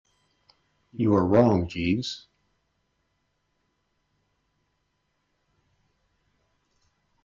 You are wrong, Jeeves.